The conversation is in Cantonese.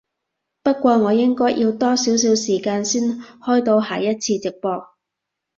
不過我應該要多少少時間先開到下一次直播